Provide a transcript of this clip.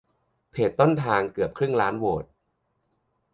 เพจต้นทาง เกือบครึ่งล้านโหวต